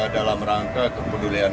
dalam rangka kepedulian